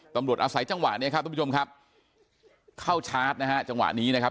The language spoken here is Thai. อาศัยจังหวะเนี้ยครับทุกผู้ชมครับเข้าชาร์จนะฮะจังหวะนี้นะครับ